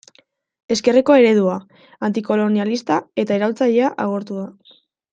Ezkerreko eredua, antikolonialista eta iraultzailea agortu da.